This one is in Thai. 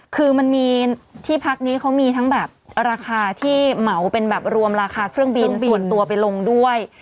คือมันมีที่พักนี้เขามีทั้งแบบราคาที่เหมาเป็นแบบรวมราคาเครื่องบินส่วนตัวไปลงด้วย